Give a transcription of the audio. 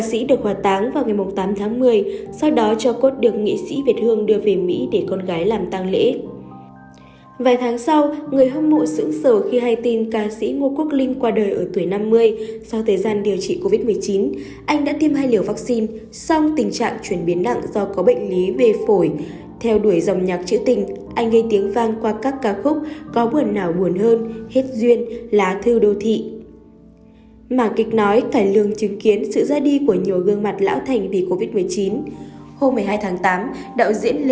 xin chào và hẹn gặp lại các bạn trong những video tiếp theo